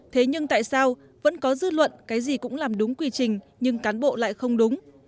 thế nhưng tại sao vẫn có dư luận cái gì cũng làm đúng quy trình nhưng cán bộ lại không đúng